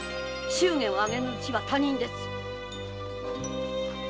祝言を挙げぬうちは他人です！